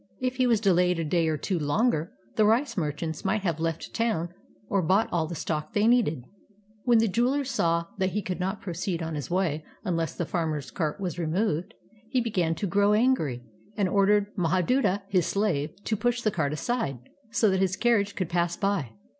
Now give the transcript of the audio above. If he was delayed a day or two longer, the rice merchants might have left town or bought all the stock they needed. Wlien the jeweler saw that he could not proceed on his way unless the farmer's cart was removed, he began to grow angry and ordered Mahaduta. his slave, to push the cart aside, so that his carriage could pass by.